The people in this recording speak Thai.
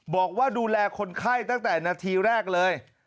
บอกว่าดูแลคนไข้ตั้งแต่นาทีแรกเลย